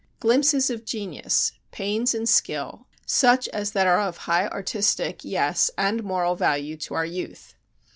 Glimpses of genius pains and skill such as that are of high artistic, yes, and moral value to our youth.